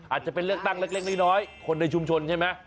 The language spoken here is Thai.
อาจจะเป็นเลือกตั้งเล็กน้อยคนในชุมชนใช่ไหม